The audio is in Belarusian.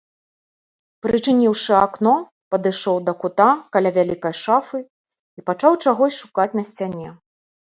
Прычыніўшы акно, падышоў да кута каля вялікай шафы і пачаў чагось шукаць на сцяне.